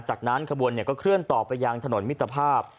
จากนั้นขบวนก็เคลื่อนต่อไปยังถนนมิตรภาพ